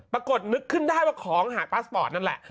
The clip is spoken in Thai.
ปรากฏนึกขึ้นได้ว่าของหายปลาสปอร์ตนั่นแหละ